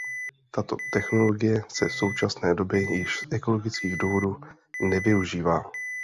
Tato technologie se v současné doby již z ekologických důvodů nevyužívá.